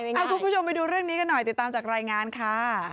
เอาคุณผู้ชมไปดูเรื่องนี้กันหน่อยติดตามจากรายงานค่ะ